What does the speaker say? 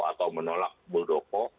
atau menolak buldoko